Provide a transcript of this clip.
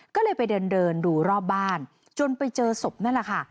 ก็เลยไปเดินดูรอบบ้านจนไปเจอศพนั่นแหละค่ะ